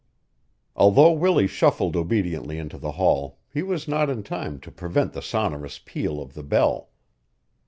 Although Willie shuffled obediently into the hall he was not in time to prevent the sonorous peal of the bell.